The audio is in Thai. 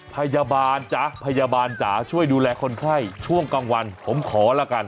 พยาบาลจ๊ะพยาบาลจ๋าช่วยดูแลคนไข้ช่วงกลางวันผมขอละกัน